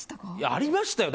ありましたよ。